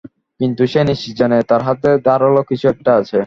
কিন্তু সে নিশ্চিত জানে, তার হাতে ধারাল কিছু একটা আছে।